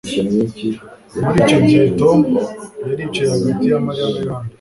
Muri icyo gihe Tom yari yicaye hagati ya Mariya na Yohana